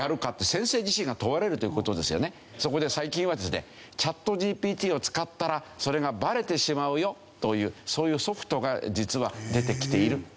そこで最近はですねＣｈａｔＧＰＴを使ったらそれがバレてしまうよというそういうソフトが実は出てきているという事なんですね。